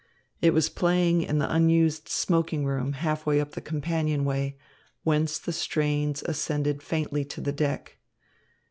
It was playing in the unused smoking room half way up the companionway, whence the strains ascended faintly to the deck.